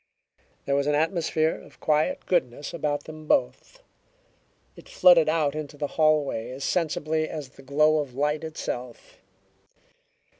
There was an atmosphere of quiet goodness about them both; it flooded out into the hallway as sensibly as the glow of light itself.